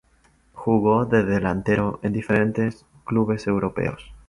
Jugó de delantero en diferentes clubes europeos.